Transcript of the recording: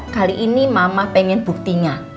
kali ini mama pengen buktinya